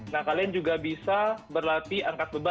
nah kalian juga bisa berlatih angkat beban